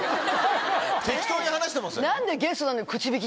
適当に話してません？